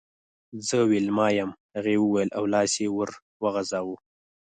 زه ویلما یم هغې وویل او لاس یې ور وغزاوه